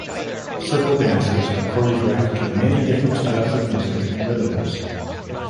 Circle dances are choreographed to many different styles of music and rhythms.